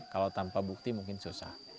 kalau tanpa bukti mungkin susah